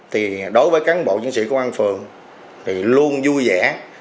thì đối với cán bộ chiến sĩ công an phường thì luôn vui vẻ